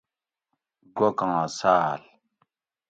گوکھاں ساۤل